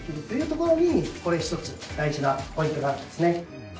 というところにこれ一つ大事なポイントがあるんですね。